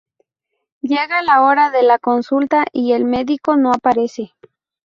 Llega la hora de la consulta y el medico no aparece.